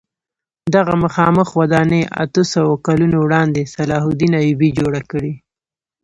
دغه مخامخ ودانۍ اتو سوو کلونو وړاندې صلاح الدین ایوبي جوړه کړې.